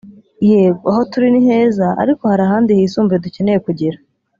yego aho turi ni heza ariko hari ahandi hisumbuye dukeneye kugera